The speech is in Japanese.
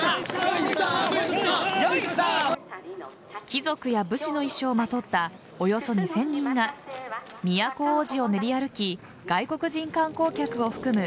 貴族や武士の衣装をまとったおよそ２０００人が都大路を練り歩き外国人観光客を含む